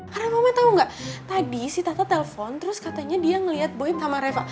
karena mama tau gak tadi si tata telpon terus katanya dia ngeliat gue sama reva